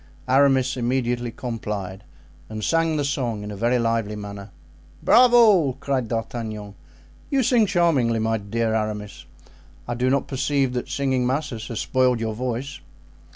Aramis immediately complied, and sang the song in a very lively manner. "Bravo!" cried D'Artagnan, "you sing charmingly, dear Aramis. I do not perceive that singing masses has spoiled your voice."